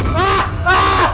gak pernah liat